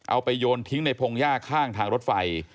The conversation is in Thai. เอาไปโยนทิ้งในพงหญ้าข้างทางรถไฟ